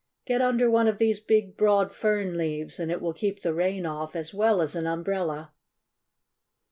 Get under one of these big, broad fern leaves, and it will keep the rain off as well as an umbrella."